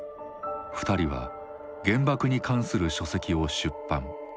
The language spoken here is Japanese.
２人は原爆に関する書籍を出版。